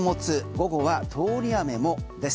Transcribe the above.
午後は通り雨もです。